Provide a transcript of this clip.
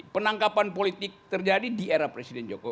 penangkapan politik terjadi di era presiden jokowi